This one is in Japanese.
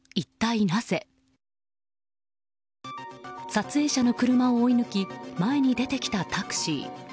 撮影者の車を追い抜き前に出てきたタクシー。